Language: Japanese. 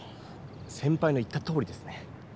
先ぱいの言ったとおりですね。